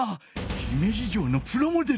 姫路城のプラモデル！